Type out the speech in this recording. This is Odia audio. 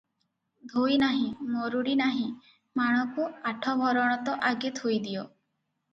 ଧୋଇ ନାହିଁ, ମରୁଡ଼ି ନାହିଁ ମାଣକୁ ଆଠଭରଣ ତ ଆଗେ ଥୋଇଦିଅ ।